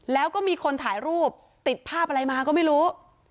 แล้วก็มีคนถ่ายรูปติดภาพอะไรมาก็ไม่รู้